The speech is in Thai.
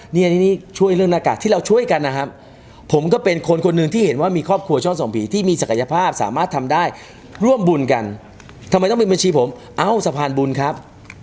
นี่อันนี้ช่วยเรื่องหน้ากากที่เราช่วยกันนะครับผมก็เป็นคนคนหนึ่งที่เห็นว่ามีครอบครัวชอบส่องผีที่มีศักยภาพสามารถทำได้ร่วมบุญกันทำไมต้องเป็นบัญชีผมเอ้าสะพานบุญครับ